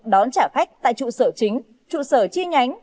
đón trả khách tại trụ sở chính trụ sở chi nhánh